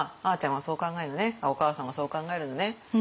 「お義母さんはそう考えるのね」